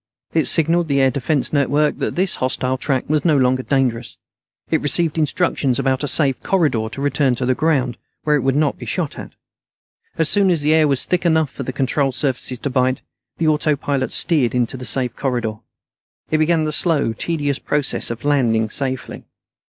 It signaled the Air Defense network that this hostile track was no longer dangerous. It received instructions about a safe corridor to return to the ground, where it would not be shot at. As soon as the air was thick enough for the control surfaces to bite, the autopilot steered into the safe corridor. It began the slow, tedious process of landing safely.